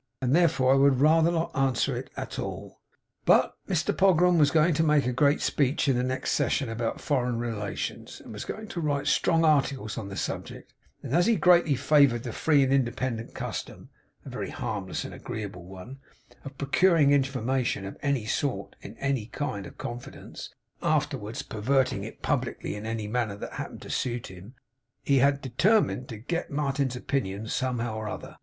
And therefore, I would rather not answer it at all.' But Mr Pogram was going to make a great speech in the next session about foreign relations, and was going to write strong articles on the subject; and as he greatly favoured the free and independent custom (a very harmless and agreeable one) of procuring information of any sort in any kind of confidence, and afterwards perverting it publicly in any manner that happened to suit him, he had determined to get at Martin's opinions somehow or other.